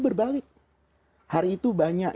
berbalik hari itu banyak